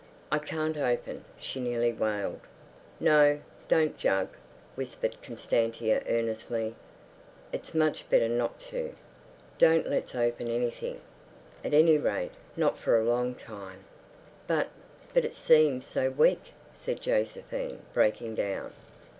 "I can't open," she nearly wailed. "No, don't, Jug," whispered Constantia earnestly. "It's much better not to. Don't let's open anything. At any rate, not for a long time." "But—but it seems so weak," said Josephine, breaking down.